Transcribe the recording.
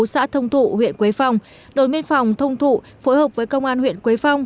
xã thông thụ huyện quế phong đồn biên phòng thông thụ phối hợp với công an huyện quế phong